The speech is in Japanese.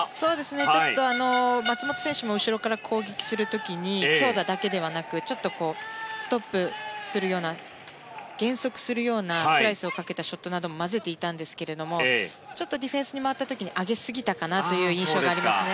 ちょっと松本選手も、後ろから攻撃する時に強打だけではなくちょっとストップするような減速するようなスライスをかけたショットなども交ぜていたんですけれどもちょっとディフェンスに回った時に上げすぎたかなという印象がありますね。